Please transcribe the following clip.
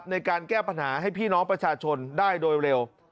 ในการแก้ปัญหาให้พี่น้องประชาชนได้โดยเร็ว